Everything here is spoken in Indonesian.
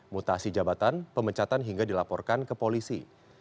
mutasi jabatan pemecatan hingga dilaporkan ke polisi